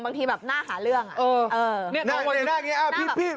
บางทีแบบน่าหาเรื่องอ่ะเออเออนี่น่านี่น่านี่อ่ะพี่พี่